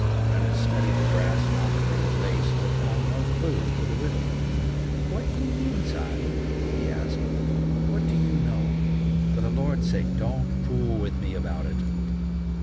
Reynolds studied the brass knocker of a face, but found no clue to the riddle. "What you mean, Tsang?" he asked. "What do you know? For the Lord's sake don't fool with me about it!"